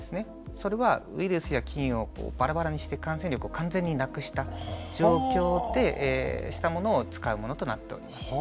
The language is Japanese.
それはウイルスや菌をバラバラにして感染力を完全になくした状況にしたものを使うものとなっております。